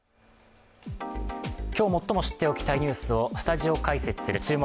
今日、最も知っておきたいニュースをスタジオ解説する「注目！